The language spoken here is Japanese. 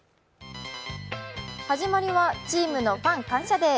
始まりはチームのファン感謝デー。